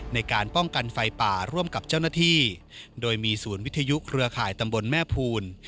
ในการป้องกันไฟป่าร่วมกับเจ้าหน้าที่โดยมีศูนย์วิทยุเครือข่ายตำบลแม่ภูล